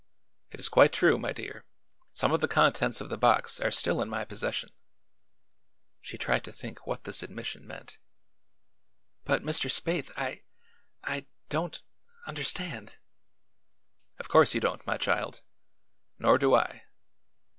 "It is quite true, my dear. Some of the contents of the box are still in my possession." She tried to think what this admission meant. "But, Mr. Spaythe, I I don't understand!" "Of course you don't, my child; nor do I.